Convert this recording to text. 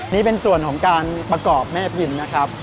นี่เป็นส่วนของการประกอบแม่พิมพ์นะครับ